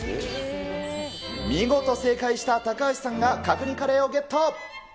見事正解した高橋さんが、角煮カレーをゲット。